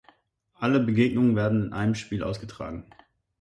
Alle Begegnungen werden in einem Spiel ausgetragen.